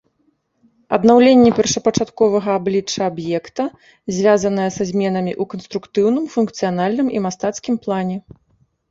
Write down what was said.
Аднаўленне першапачатковага аблічча аб'екта, звязанае са зменамі ў канструктыўным, функцыянальным і мастацкім плане.